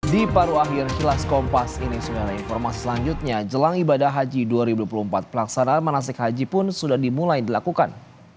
di paru akhir kilas kompas ini sebenarnya informasi selanjutnya jelang ibadah haji dua ribu dua puluh empat pelaksanaan manasik haji pun sudah dimulai dilakukan